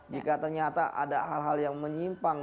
jika ternyata ada hal hal yang menyimpang